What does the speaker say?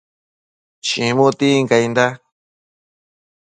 chimu tincainda